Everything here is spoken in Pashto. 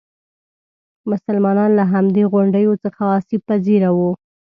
مسلمانان له همدې غونډیو څخه آسیب پذیره وو.